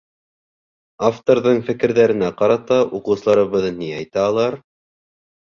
Авторҙың фекерҙәренә ҡарата уҡыусыларыбыҙ ни әйтә алыр?